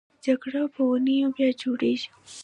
جګر په اونیو بیا جوړېږي.